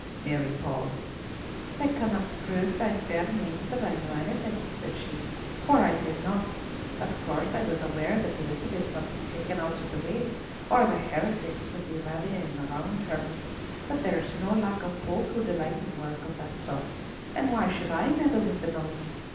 Mary paused. "They cannot prove by fair means that I knew anything," said she, "for I did not. Of course I was aware that Elizabeth must be taken out of the way, or the heretics would be rallying round her; but there is no lack of folk who delight in work of that sort, and why should I meddle with the knowledge?